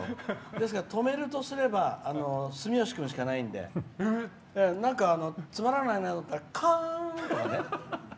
ですから止めるとすれば住吉君しかないんでなんかつまらないなって思ったらカーンとかね。